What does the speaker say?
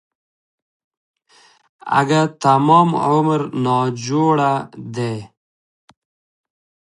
اگه تمام عمر ناجوړه دی.